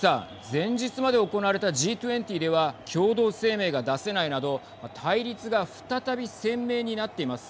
前日まで行われたＧ２０では共同声明が出せないなど対立が再び鮮明になっています。